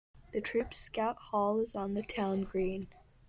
The Troop's Scout Hall is on the town green.